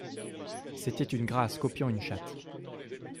C’était une Grâce copiant une chatte.